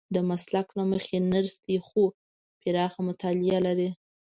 د مسلک له مخې نرس دی خو پراخه مطالعه لري.